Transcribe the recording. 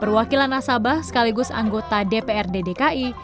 perwakilan nasabah sekaligus anggota dpr ddki